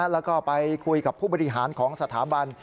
แล้วก็ไปคุยกับผู้บริหารของสถาบัน